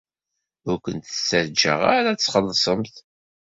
Ur kent-ttaǧǧaɣ ara ad txellṣemt.